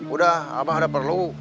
udah abah ada perlu